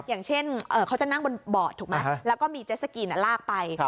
อย่างเช่นเขาจะนั่งบนบอร์ดถูกไหมแล้วก็มีเจสสกีนลากไป